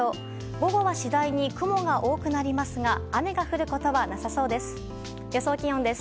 午後は次第に雲が多くなりますが雨が降ることはなさそうです。